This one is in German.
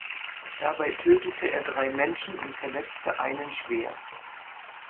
Dabei tötete er drei Menschen und verletzte einen schwer.